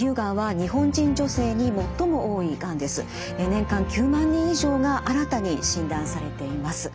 年間９万人以上が新たに診断されています。